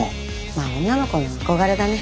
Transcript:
まあ女の子の憧れだね。